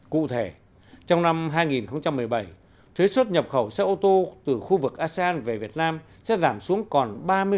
cụ thể trong năm hai nghìn một mươi bảy thuế xuất nhập khẩu xe ô tô từ khu vực asean về việt nam sẽ giảm xuống còn ba mươi